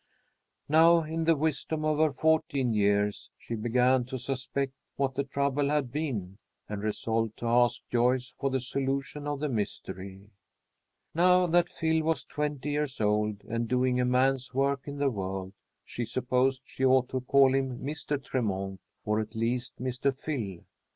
Now, in the wisdom of her fourteen years, she began to suspect what the trouble had been, and resolved to ask Joyce for the solution of the mystery. Now that Phil was twenty years old and doing a man's work in the world, she supposed she ought to call him Mr. Tremont, or, at least, Mr. Phil.